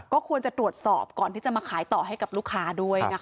ก็ควรจะตรวจสอบก่อนที่จะมาขายต่อให้กับลูกค้าด้วยนะคะ